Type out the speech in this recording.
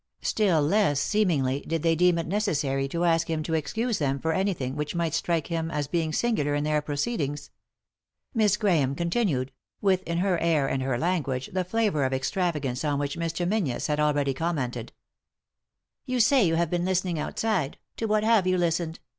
Still less, seemingly, did they deem it necessary to ask him to excuse them for anything which might strike him as being singular in their proceedings. Miss Grahame continued; with, in her air and her language, that flavour of extravagance on which Mr. Menzies had already commented. " You say you have been listening outside— to what have you listened?